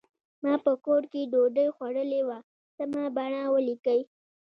ما په کور کې ډوډۍ خوړلې وه سمه بڼه ولیکئ.